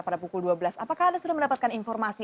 pada pukul dua belas apakah anda sudah mendapatkan informasi